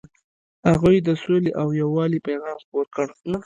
هغوی د سولې او یووالي پیغام خپور کړ.